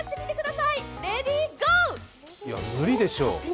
いや、無理でしょう。